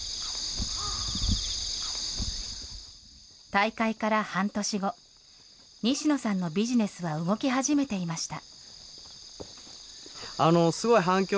大会から半年後、西野さんのビジネスは動き始めていました。